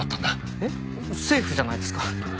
えっセーフじゃないですか？